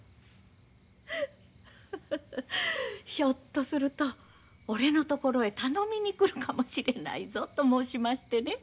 「ひょっとすると俺のところへ頼みに来るかもしれないぞ」と申しましてね。